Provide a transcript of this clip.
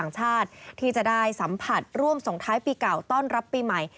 สัมผัสร่วมส่งท้ายปีเก่าต้อนรับปีใหม่